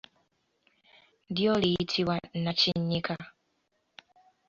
Lyo liyitibwa nnakinnyika.